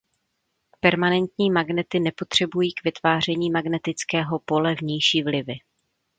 Permanentní magnety nepotřebují k vytváření magnetického pole vnější vlivy.